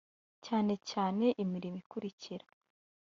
cyane cyane imirimo ikurikira